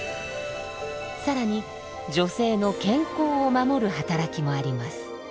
更に女性の健康を守る働きもあります。